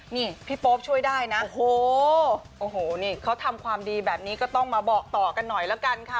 นี่พี่โป๊ปช่วยได้นะโอ้โหโอ้โหนี่เขาทำความดีแบบนี้ก็ต้องมาบอกต่อกันหน่อยละกันค่ะ